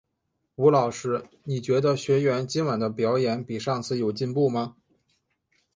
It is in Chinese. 吴老师，你觉得学员今晚的表演比上次有进步吗？